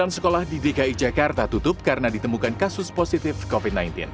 sembilan sekolah di dki jakarta tutup karena ditemukan kasus positif covid sembilan belas